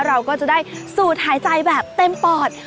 เราก็จะได้สูดหายใจแบบเต็มปอด